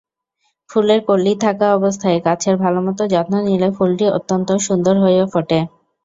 ফুলের কলি থাকা অবস্থায় গাছের ভালোমতো যত্ন নিলে ফুলটি অত্যন্ত সুন্দর হয়ে ফোটে।